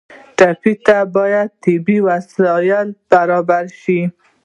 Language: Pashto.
ټپي ته باید طبي وسایل برابر کړو.